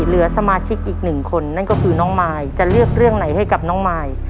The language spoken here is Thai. เหลือสมาชิกอีกหนึ่งคนนั่นก็คือน้องมายจะเลือกเรื่องไหนให้กับน้องมาย